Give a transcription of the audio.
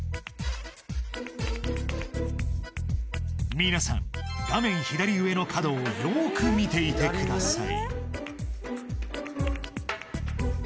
皆さん画面左上の角をよーく見ていてください